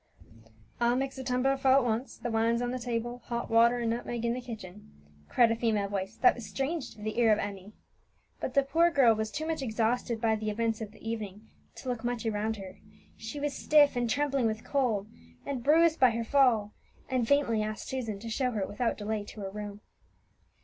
"I'll mix a tumblerful at once. The wine's on the table hot water and nutmeg in the kitchen," cried a female voice that was strange to the ear of Emmie. But the poor girl was too much exhausted by the events of the evening to look much around her; she was stiff and trembling with cold, and bruised by her fall, and faintly asked Susan to show her without delay to her room.